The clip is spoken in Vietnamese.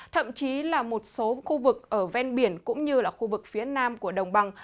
thậm chí là một số khu vực ở ven biển cũng như là khu vực phía nam của đồng bằng